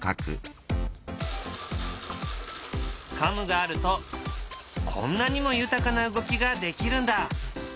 カムがあるとこんなにも豊かな動きができるんだ。